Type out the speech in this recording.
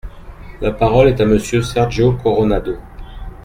La parole est à Monsieur Sergio Coronado.